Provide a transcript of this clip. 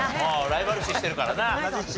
ライバル視してるからな。